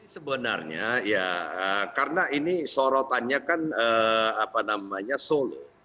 sebenarnya ya karena ini sorotannya kan apa namanya solo